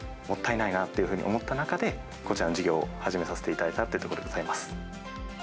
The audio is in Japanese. もったいないなっていうふうに思った中で、こちらの事業を始めさせていただいたというところでございます。